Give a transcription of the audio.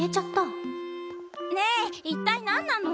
ねえ一体何なの？